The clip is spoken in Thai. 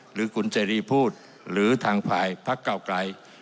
หรือคุณเจรีพูดหรือทางฝ่ายพักเก้าไกล